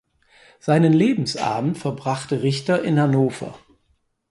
Seinen Lebensabend verbrachte Richter in Hannover.